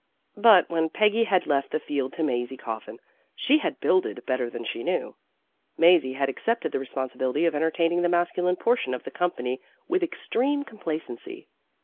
But when Peggy had left the field to Mazie Coffin, she had builded better than she knew, Mazie had accepted the responsibility of enter taining the masculine portion of the company with extreme complacency.